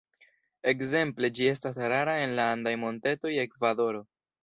Ekzemple ĝi estas rara en la andaj montetoj de Ekvadoro.